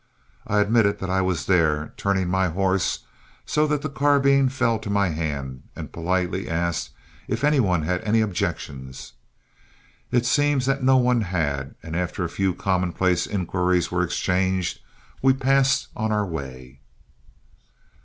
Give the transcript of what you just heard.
I admitted that I was there, turning my horse so that the carbine fell to my hand, and politely asked if any one had any objections. It seems that no one had, and after a few commonplace inquiries were exchanged, we passed on our way.